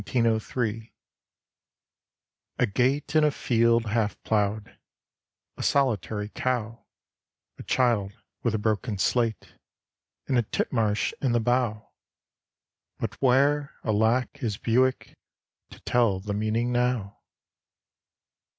] A gate and a field half ploughed, A solitary cow, A child with a broken slate, And a titmarsh in the bough. But where, alack, is Bewick To tell the meaning now?